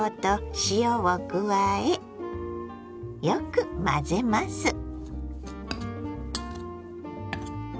よく混ぜます。